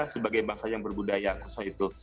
sebagai bangsa yang berbudaya khususnya itu